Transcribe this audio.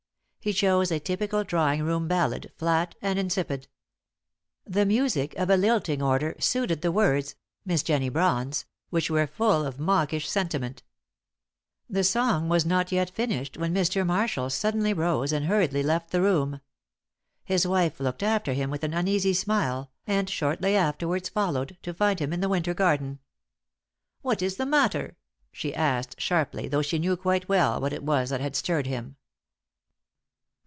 He chose a typical drawing room ballad, flat and insipid. The music, of a lilting order, suited the words Miss Jennie Brawn's which were full of mawkish sentiment. The song was not yet finished when Mr. Marshall suddenly rose and hurriedly left the room. His wife looked after him with an uneasy smile, and shortly afterwards followed, to find him in the winter garden. "What is the matter?" she asked, sharply, though she knew quite well what it was that had stirred him.